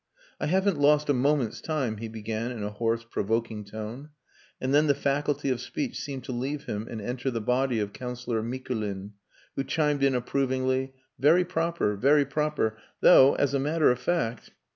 "I haven't lost a moment's time," he began in a hoarse, provoking tone; and then the faculty of speech seemed to leave him and enter the body of Councillor Mikulin, who chimed in approvingly "Very proper. Very proper. Though as a matter of fact...."